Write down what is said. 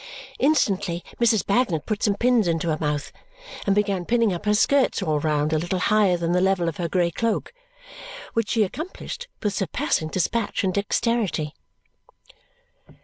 Instantly Mrs. Bagnet put some pins into her mouth and began pinning up her skirts all round a little higher than the level of her grey cloak, which she accomplished with surpassing dispatch and dexterity.